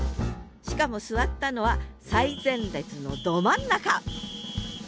しかも座ったのは最前列のど真ん中！